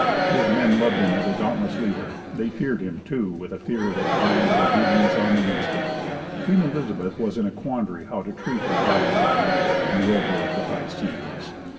His men loved him as a dauntless leader; they feared him, too, with a fear that commanded obedience on the instant. Queen Elizabeth was in a quandary how to treat her gallant buccaneer and rover of the high seas.